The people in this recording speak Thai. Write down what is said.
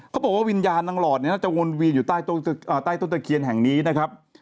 เขาบอกว่าวิญญาณนางหลอดเนี่ยน่าจะวนเวียนอยู่ใต้ต้นตะเคียนแห่งนี้นะครับ